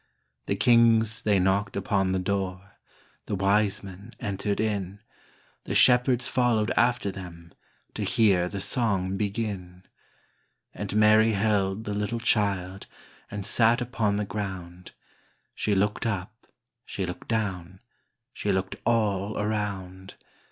The kings they knocked upon the door, The wise men entered in, The shepherds followed after them To hear the song begin. And Mary held the little child And sat upon the ground; She looked up, she looked down, She looked all around.